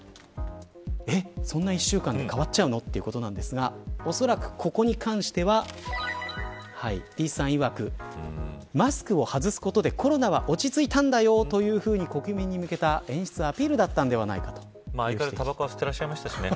そんな１週間で変わっちゃうのということですがおそらく、ここに関しては李さんいわく、マスクを外すことでコロナは落ち着いたと国民に向けた演出、アピールタバコも吸っていらっしゃいましたしね。